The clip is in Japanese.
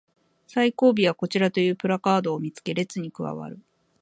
最後尾はこちらというプラカードを見つけ列に加わる